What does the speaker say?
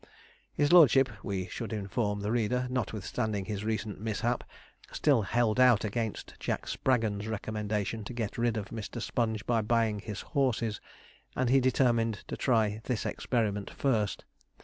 His lordship, we should inform the reader, notwithstanding his recent mishap, still held out against Jack Spraggon's recommendation to get rid of Mr. Sponge by buying his horses, and he determined to try this experiment first.